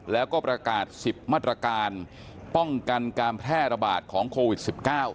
แล้วก็ประกาศ๑๐มาตรการป้องกันการแพร่ระบาดของโควิด๑๙